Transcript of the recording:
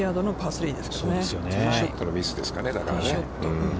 ティーショットのミスですかね。